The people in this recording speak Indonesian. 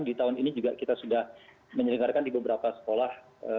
di tahun ini juga kita sudah menyelenggarakan di beberapa sekolah